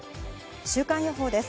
週間予報です。